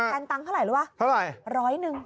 แทนตังค์เท่าไหร่หรือวะเท่าไหร่๑๐๐นึง